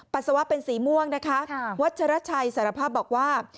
ปัสสาวะเป็นสีม่วงนะคะวัชรชัยสารภาพบอกว่า